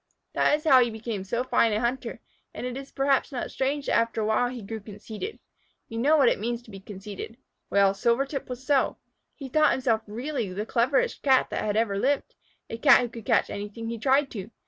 This is how he became so fine a hunter, and it is perhaps not strange that after a while he grew conceited. You know what it means to be conceited. Well, Silvertip was so. He thought himself really the cleverest Cat that had ever lived, a Cat who could catch anything he tried to.